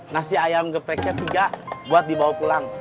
nasi ayam gepreknya tiga buat dibawa pulang